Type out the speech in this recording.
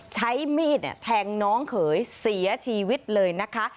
ใช้มีดแทงน้องเขยเสียชีวิตเลยนะคะ